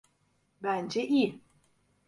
Bence iyi.